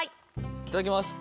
いただきます。